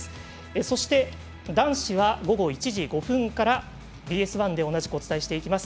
そして、男子は午後１時５分からＢＳ１で同じくお伝えします。